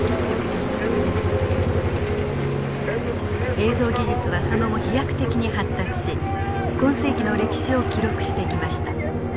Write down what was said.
映像技術はその後飛躍的に発達し今世紀の歴史を記録してきました。